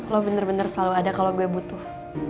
lo bener bener selalu ada kalau gue butuh